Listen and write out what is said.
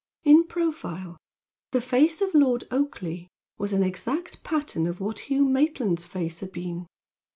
In profile the face of Lord Oakleigh was an exact pattern of what Hugh Maitland's face had been.